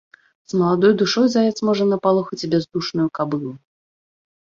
З маладой душой заяц можа напалохаць і бяздушную кабылу.